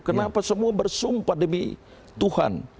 kenapa semua bersumpah demi tuhan